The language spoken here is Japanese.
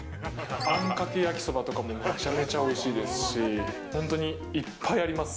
あんかけ焼きそばとかも、めちゃめちゃおいしいですし、本当にいっぱいあります。